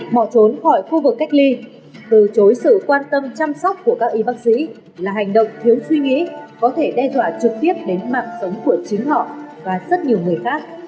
bỏ trốn khỏi khu vực cách ly từ chối sự quan tâm chăm sóc của các y bác sĩ là hành động thiếu suy nghĩ có thể đe dọa trực tiếp đến mạng sống của chính họ và rất nhiều người khác